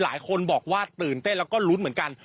หลายคนบอกว่าตื่นเต้นแล้วก็ลุ้นเหมือนกัน